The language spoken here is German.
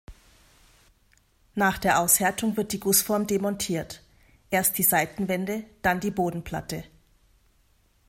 Nach der Aushärtung wird die Gussform demontiert, erst die Seitenwände, dann die Bodenplatte.